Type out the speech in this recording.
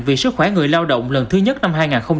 về sức khỏe người lao động lần thứ nhất năm hai nghìn hai mươi bốn